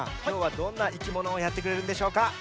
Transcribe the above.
きょうはどんないきものをやってくれるんでしょうか？